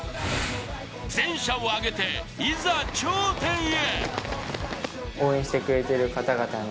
全社を挙げて、いざ頂点へ。